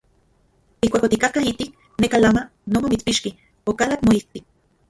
Ijkuak otikatka ijtik neka lama non omitspixki, okalak moijtik.